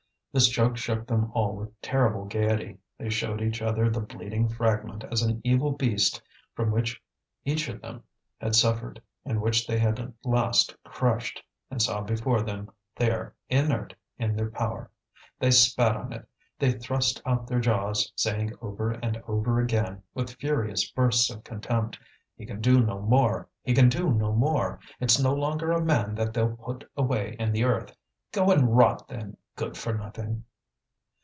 This joke shook them all with terrible gaiety. They showed each other the bleeding fragment as an evil beast from which each of them had suffered, and which they had at last crushed, and saw before them there, inert, in their power. They spat on it, they thrust out their jaws, saying over and over again, with furious bursts of contempt: "He can do no more! he can do no more! It's no longer a man that they'll put away in the earth. Go and rot then, good for nothing!"